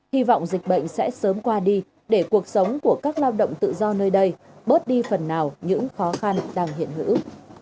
hy vọng dịch bệnh sẽ sớm qua đi để cuộc sống của các lao động tự do nơi đây bớt đi phần nào những khó khăn đang hiện hữu